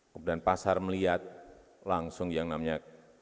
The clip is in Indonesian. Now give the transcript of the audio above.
kemudian pasar melihat langsung yang namanya